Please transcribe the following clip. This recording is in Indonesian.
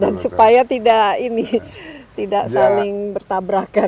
dan supaya tidak ini tidak saling bertabrakan